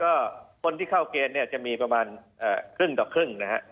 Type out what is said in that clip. ก็คนที่เข้าเกณฑ์เนี่ยจะมีประมาณครึ่งต่อครึ่งนะฮะ